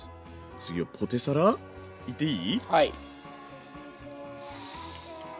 次はポテサラいっていい？